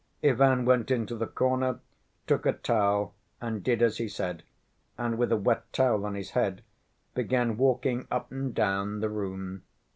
Ivan went into the corner, took a towel, and did as he said, and with a wet towel on his head began walking up and down the room.